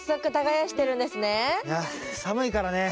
いや寒いからね。